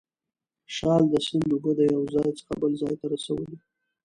شال د سیند اوبه د یو ځای څخه بل ځای ته رسولې.